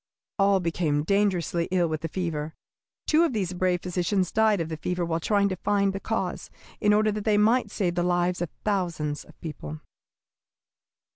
All became dangerously ill with the fever. Two of these brave physicians died of the fever while trying to find the cause, in order that they might save the lives of thousands of people."